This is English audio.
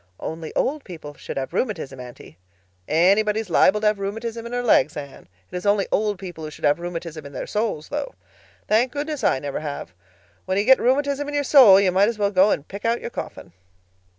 "Only old people should have rheumatism, Aunty." "Anybody is liable to rheumatism in her legs, Anne. It's only old people who should have rheumatism in their souls, though. Thank goodness, I never have. When you get rheumatism in your soul you might as well go and pick out your coffin."